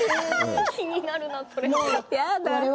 気になるな、それ。